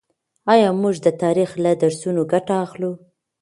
آيا موږ د تاريخ له درسونو ګټه اخلو؟